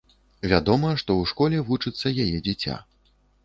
Вядома, што ў школе вучыцца яе дзіця.